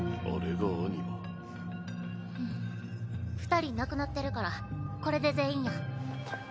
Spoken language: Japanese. ２人亡くなってるからこれで全員や。